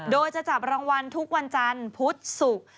โดยจะจับรางวัลทุกวันจันทร์พุธศุกร์